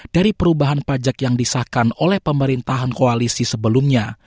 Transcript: dari perubahan pajak yang disahkan oleh pemerintahan koalisi sebelumnya